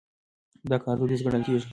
دا کار دوديز ګڼل کېږي.